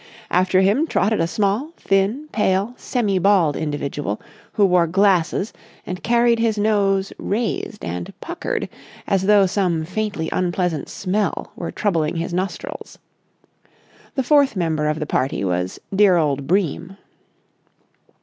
After him trotted a small, thin, pale, semi bald individual who wore glasses and carried his nose raised and puckered as though some faintly unpleasant smell were troubling his nostrils. The fourth member of the party was dear old Bream.